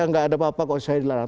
tidak ada apa apa kalau saya dilarang